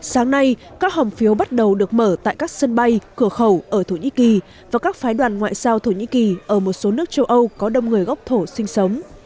sáng nay các hầm phiếu bắt đầu được mở tại các sân bay cửa khẩu ở thổ nhĩ kỳ và các phái đoàn ngoại giao thổ nhĩ kỳ ở một số nước châu âu có đông người gốc thổ sinh sống